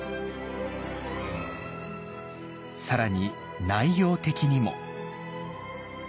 更に内容的にも。